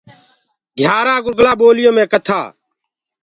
گھيآرآنٚ گُرگُلآ ٻوليو مي ڪٿآ۔